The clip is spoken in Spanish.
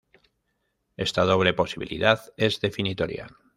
Esta doble posibilidad es definitoria.